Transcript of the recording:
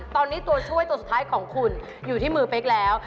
ตอนนี้ตัวช่วยตัวสุดท้ายของคุณอยู่ที่มือเป๊กแล้ว